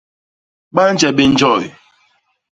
Ba nje bé njoy.